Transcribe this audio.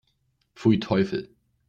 Pfui, Teufel!